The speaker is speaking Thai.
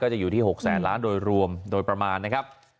จะอยู่ที่๖แสนล้านโดยรวมโดยประมาณนะครับ